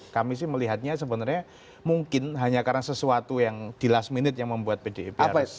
kami sih melihatnya sebenarnya mungkin hanya karena sesuatu yang di last minute yang membuat pdip